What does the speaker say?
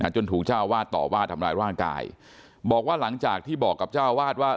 จนถูกเจ้าอาวาสต่อว่าทำร้ายร่างกายบอกว่าหลังจากที่บอกกับเจ้าวาดว่า